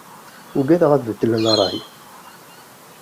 Uggadeɣ ad beddlen rray.